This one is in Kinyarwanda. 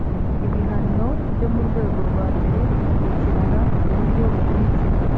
ibihano byo mu rwego rwa mbere bikurikirana ku buryo bukurikira